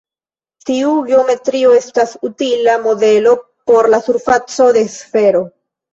Tiu geometrio estas utila modelo por la surfaco de sfero.